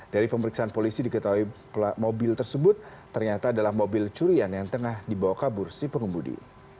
dari pemeriksaan polisi diketahui mobil tersebut ternyata adalah mobil curian yang tengah dibawa kabur si pengemudi